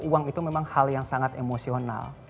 uang itu memang hal yang sangat emosional